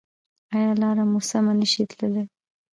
ایا لاره مو سمه نه شئ تللی؟